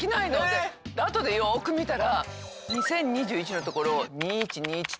あとでよく見たら「２０２１」のところを「２１２１」って書いて。